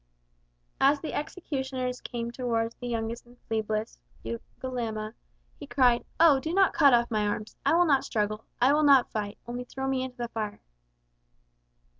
As the executioners came towards the youngest and feeblest, Lugalama, he cried, "Oh, do not cut off my arms. I will not struggle, I will not fight only throw me into the fire."